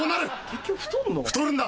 結局太るの？